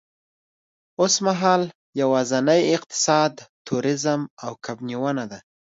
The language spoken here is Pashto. اوسمهال یوازېنی اقتصاد تورېزم او کب نیونه ده.